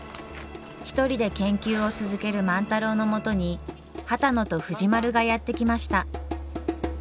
一人で研究を続ける万太郎のもとに波多野と藤丸がやって来ました。